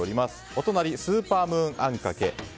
お隣、スーパームーンあんかけ。